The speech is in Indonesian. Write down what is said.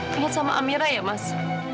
ingat sama amira ya mas